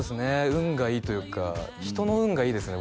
運がいいというか人の運がいいですね